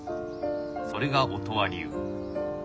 それが音羽流。